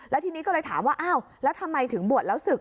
แล้วทีนี้ก็เลยถามว่าอ้าวแล้วทำไมถึงบวชแล้วศึก